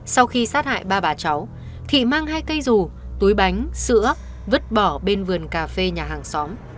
sau khi sát hại ba bà cháu thị mang hai cây rù túi bánh sữa vứt bỏ bên vườn cà phê nhà hàng xóm